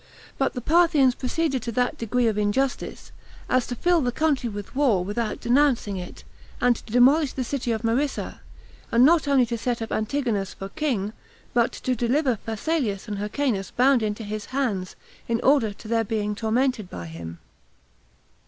But the Parthians proceeded to that degree of injustice, as to fill all the country with war without denouncing it, and to demolish the city Marissa, and not only to set up Antigonus for king, but to deliver Phasaelus and Hyrcanus bound into his hands, in order to their being tormented by him.